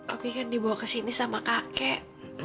opi kan dibawa kesini sama kakek